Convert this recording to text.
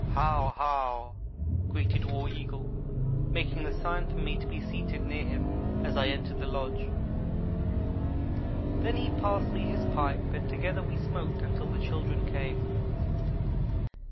"How how!" greeted War Eagle, making the sign for me to be seated near him, as I entered his lodge. Then he passed me his pipe and together we smoked until the children came.